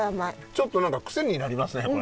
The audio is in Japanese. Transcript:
ちょっと何か癖になりますねこれ。